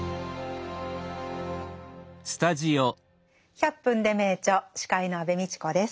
「１００分ｄｅ名著」司会の安部みちこです。